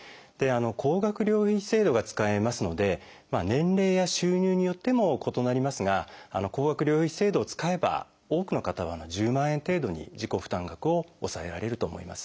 高額療養費制度が使えますので年齢や収入によっても異なりますが高額療養費制度を使えば多くの方は１０万円程度に自己負担額を抑えられると思います。